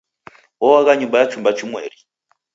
Oagha nyumba ya chumba chimweri.